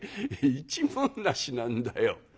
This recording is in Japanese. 一文無しなんだよ」。